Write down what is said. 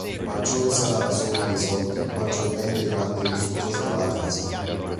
Maggiore sarà la somma dei soldi, maggiormente grande e lussuosa sarà la casa.